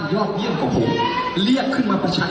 เย้